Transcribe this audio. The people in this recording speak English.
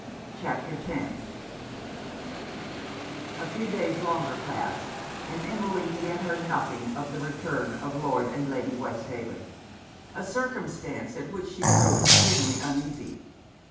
CHAPTER X A few days longer passed, and Emmeline yet heard nothing of the return of Lord and Lady Westhaven; a circumstance at which she grew extremely uneasy.